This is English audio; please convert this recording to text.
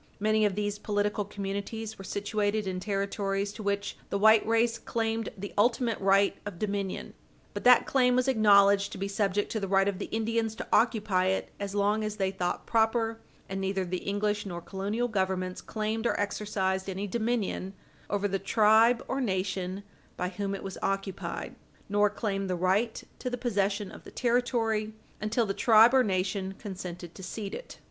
Many of these political communities were situated in territories to which the white race claimed the ultimate Page 60 U. S. 404 right of dominion. But that claim was acknowledged to be subject to the right of the Indians to occupy it as long as they thought proper, and neither the English nor colonial Governments claimed or exercised any dominion over the tribe or nation by whom it was occupied, nor claimed the right to the possession of the territory, until the tribe or nation consented to cede it.